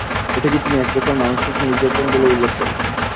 এটাকে তিনি এক প্রকার মানসিক নির্যাতন বলে উল্লেখ করেন।